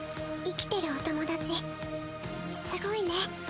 生きてるお友達すごいね。